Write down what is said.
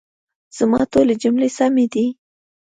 زما ټولي جملې سمي دي؟